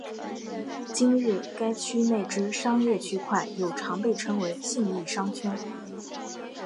今日该区内之商业区块又常被称为信义商圈。